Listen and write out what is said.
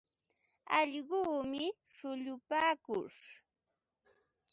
Allquumi shullupaakush.